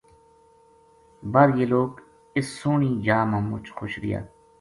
بر یہ لوک اس سوہنی جا ما مچ خوش رہیا